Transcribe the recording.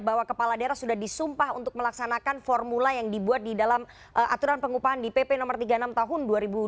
bahwa kepala daerah sudah disumpah untuk melaksanakan formula yang dibuat di dalam aturan pengupahan di pp no tiga puluh enam tahun dua ribu dua puluh